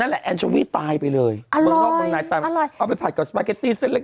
นั่นแหละแอนโชวี่ตายไปเลยเอาไปผัดกับสปาเก็ตตี้เสร็จเล็ก